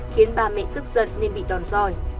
khiến ba mẹ tức giận nên bị đòn roi